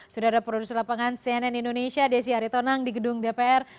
sudara produsen lapangan cnn indonesia desi haritonang di gedung dpr